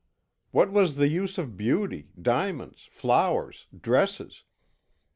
What was the use of beauty, diamonds, flowers, dresses?